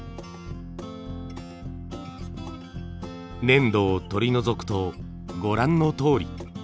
粘土を取り除くとご覧のとおり。